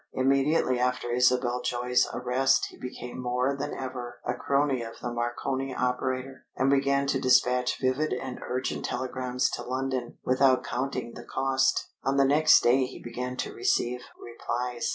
Immediately after Isabel Joy's arrest he became more than ever a crony of the Marconi operator, and began to despatch vivid and urgent telegrams to London, without counting the cost. On the next day he began to receive replies.